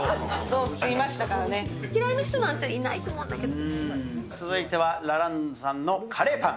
嫌いな人なんていないと思う続いてはラランドさんのカレーパン。